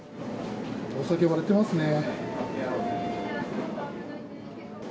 お酒、割れてますね。